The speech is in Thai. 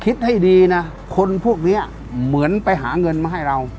คิดให้ดีนะคนพวกนี้เหมือนไปหาเงินมาให้เรา